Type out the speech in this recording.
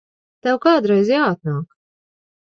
Tev kādreiz jāatnāk.